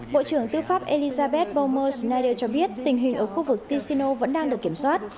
bộ trưởng tư pháp elizabeth palmer snyder cho biết tình hình ở khu vực ticino vẫn đang được kiểm soát